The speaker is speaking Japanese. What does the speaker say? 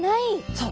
そう。